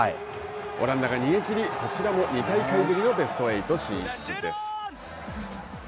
オランダが逃げきり、こちらも２大会ぶりのベスト８進出です。